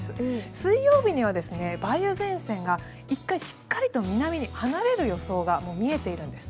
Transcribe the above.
水曜日には梅雨前線が１回、しっかりと南に離れる予想が見えているんです。